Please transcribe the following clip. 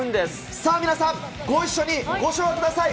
さあ、皆さん、ご一緒にご唱和ください。